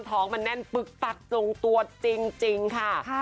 ตักตรงตัวจริงค่ะ